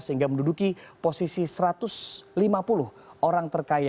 sehingga menduduki posisi satu ratus lima puluh orang terkaya